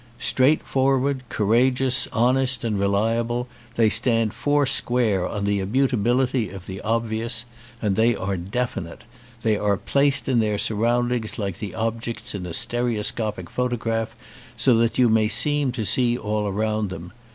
Straightfor ward, courageous, honest, and reliable, they stand four square on the immutability of the obvious; and they are definite: they are placed in their surroundings like the objects in a stereoscopic photograph so that you seem to see all round them.